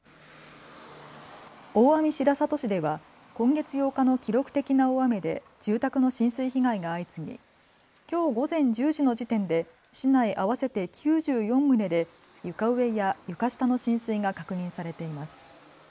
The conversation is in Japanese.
大網白里市では今月８日の記録的な大雨で住宅の浸水被害が相次ぎ、きょう午前１０時の時点で市内合わせて９４棟で床上や床下の浸水が確認されています。